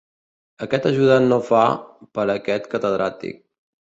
Aquest ajudant no fa, per a aquest catedràtic.